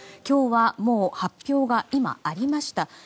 今日はもう発表が今ありました。